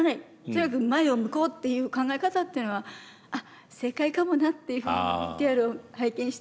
とにかく前を向こう」っていう考え方っていうのは「あっ正解かもな」っていうふうにＶＴＲを拝見して思いました。